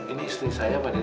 ini istri saya pak deden